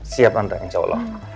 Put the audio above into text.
siap tante insya allah